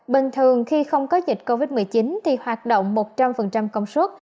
bình thường khi không có dịch covid một mươi chín thì hoạt động một trăm linh công suất